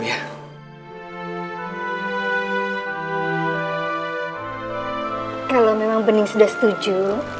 kalau bening sudah setuju